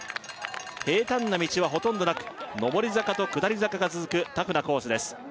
平坦な道はほとんどなく上り坂と下り坂が続くタフなコースです